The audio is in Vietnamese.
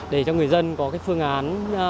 để cho người dân có cái phương án